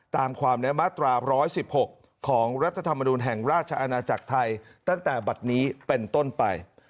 ตามความแนะมาตรา๑๑๖ของรัฐธรรมนุนแห่งราชอาณาจักรไทยตั้งแต่บัตรนี้เป็นต้นไป